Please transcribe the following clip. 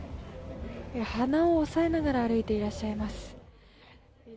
鼻を押さえながら歩いていらっしゃいます。